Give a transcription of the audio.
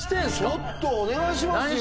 ちょっとお願いしますよ。